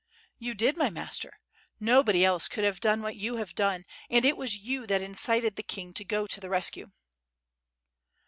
"You did, my master. Nobody else could have done what you have done, and it was you that incited the king to go to the rescue."